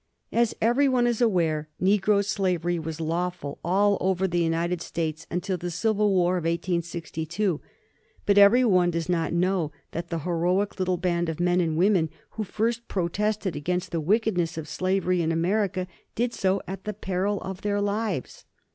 As every one is aware, negro slavery was lawful all over the United States until the civil war of 1862. But every one does not know that the heroic little band of men and women who first protested against the wickedness of slavery in America did so at the peril of their lives.